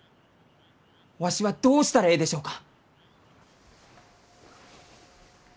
わしはどうしたらえいでしょうか？